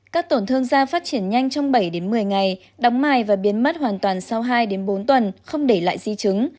các tổn thương da phát triển nhanh trong bảy một mươi ngày đóng mài và biến mất hoàn toàn sau hai bốn tuần không để lại di chứng